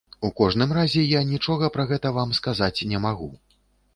У кожным разе, я нічога пра гэта вам сказаць не магу.